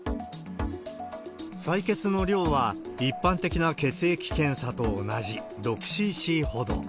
採血の量は一般的な血液検査と同じ６ｃｃほど。